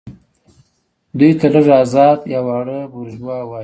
دوی ته لږ ازاد یا واړه بوروژوا وايي.